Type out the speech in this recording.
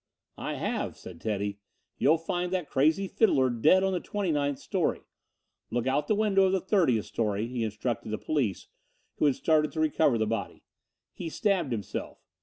"I have," said Teddy. "You'll find that crazy fiddler dead on the twenty ninth story. Look out the window of the thirtieth story," he instructed the police, who had started to recover the body. "He stabbed himself.